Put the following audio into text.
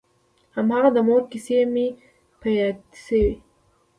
هماغه د مور کيسې مې په ياد شوې.